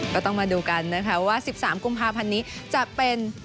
ก็ต้องมาดูกันนะคะว่า๑๓กุมภาพันธ์นี้จะเป็น